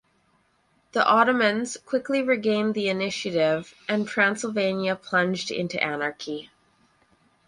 The Ottomans quickly regained the initiative and Transylvania plunged into anarchy.